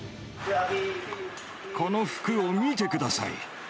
この服を見てください。